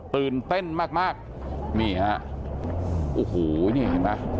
ตื่นเต้นมากนี่เห็นป่ะ